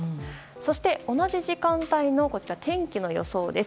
そして、同じ時間帯の天気の予想です。